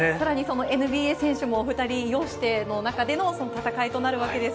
さらにＮＢＡ選手もお２人擁しての中での戦いとなるわけです。